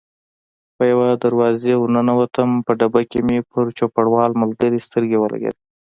په یوې دروازې ور ننوتلم، په ډبه کې مې پر چوپړوال ملګري سترګې ولګېدې.